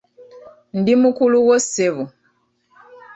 Ndi mukulu wo ssebo.